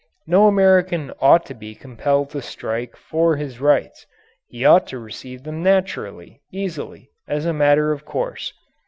No American ought to be compelled to strike for his rights. He ought to receive them naturally, easily, as a matter of course.